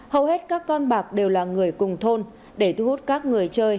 hầu hết các con bạc đều là người cùng thôn để thu hút các người chơi